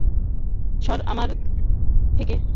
সর আমার থেকে!